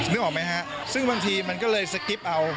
นึกออกไหมฮะซึ่งบางทีมันก็เลยสกิปเอา